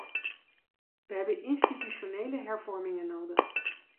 We hebben institutionele hervormingen nodig.